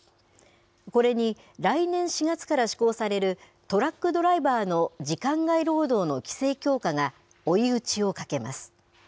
これに来年４月から施行される、トラックドライバーの時間外労働の規制強化が追い打ちをかけます。